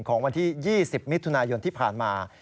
ของวันที่๒๐มิถุนายนที่ผ่านมา